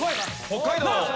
北海道。